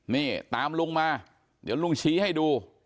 นี่ตามลุงมาเดี๋ยวลุงชี้ให้ดู